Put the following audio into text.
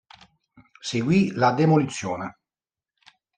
Seguì la demolizione.